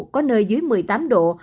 có nơi dưới một mươi tám độ